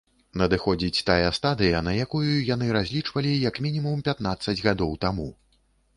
Надыходзіць тая стадыя, на якую яны разлічвалі, як мінімум, пятнаццаць гадоў таму.